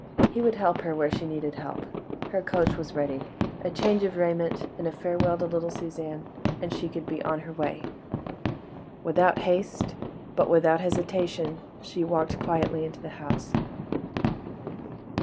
He would help her where she needed help; her coach was ready. A change of raiment, and a farewell to little Suzanne, and she could be on her way. Without haste, but without hesitation, she walked quietly into the house.